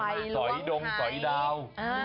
ไปล้วงไหสอยดงสอยดาว